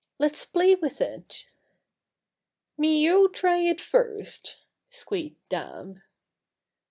"Let's play with it." "Mee you try it first," squeaked Dab.